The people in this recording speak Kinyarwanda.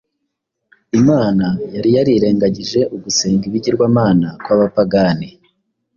Imana yari yarirengagije ugusenga ibigirwamana kw’abapagani;